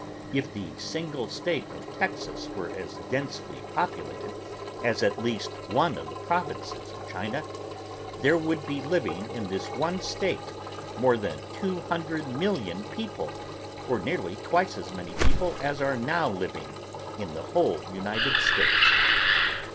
If the single state of Texas were as densely populated as at least one of the provinces of China, there would be living in this one state more than two hundred million people or nearly twice as many people as are now living in the whole United States.